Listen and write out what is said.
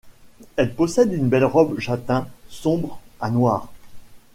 Elle possède une belle robe châtain sombre à noire.